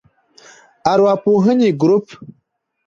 ارواپوهنې ګروپ